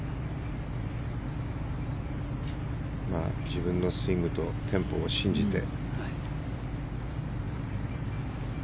自分のスイングとテンポを信じて。